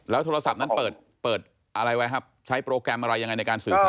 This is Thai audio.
โทรศัพท์นั้นเปิดอะไรไว้ครับใช้โปรแกรมอะไรยังไงในการสื่อสาร